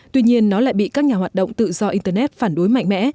tuy nhiên nó lại bị các nhà hoạt động tự do internet phản đối mạnh mẽ